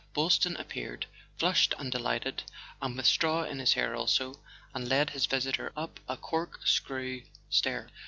Boylston appeared, flushed and delighted (and with straw in his hair also), and led his visitor up a cork¬ screw stair.